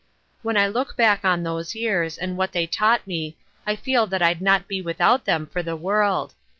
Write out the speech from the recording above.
When I look back on those years and what they taught me I feel that I'd not be without them for the world.